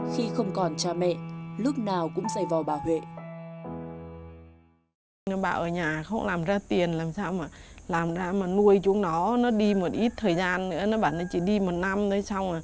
khi không còn cha mẹ lúc nào cũng dày vò bà huệ